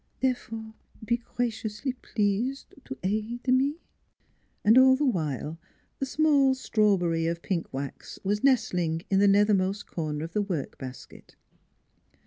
Therefore be graciously pleased to aid me !" And, all the while, the small strawberry of NEIGHBORS 201 pink wax was nestling in the nethermost corner of the work basket.